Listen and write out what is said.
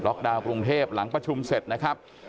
ดาวน์กรุงเทพหลังประชุมเสร็จนะครับ